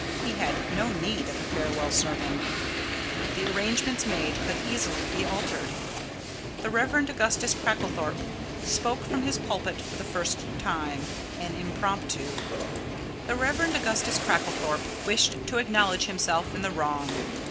He had no need of a farewell sermon. The arrangements made could easily be altered. The Rev. Augustus Cracklethorpe spoke from his pulpit for the first time an impromptu. The Rev. Augustus Cracklethorpe wished to acknowledge himself in the wrong.